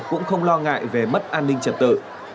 cũng không lo ngại về mất an ninh trật tự